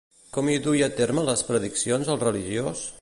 Com hi duia a terme les prediccions el religiós?